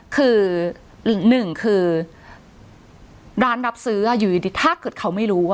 คือหนึ่งหนึ่งคือร้านรับซื้ออ่ะอยู่วิธีถ้าเกิดเขาไม่รู้